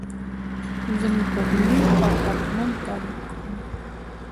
زه می پر لور او هتمن تعلیم کوم